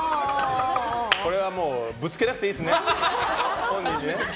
これは本人にぶつけなくていいですね。